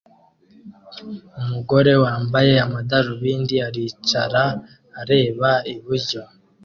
Umugore wambaye amadarubindi aricara areba iburyo